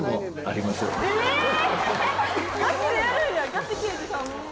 ガチ刑事さん。